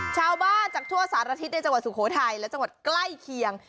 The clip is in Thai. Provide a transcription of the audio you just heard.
ชาวบ้านจากทั่วสารทิศในจังหวัดสุโขทัยและจังหวัดใกล้เคียง